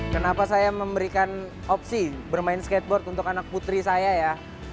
kenapa saya memberikan opsi bermain skateboard untuk anak putri saya ya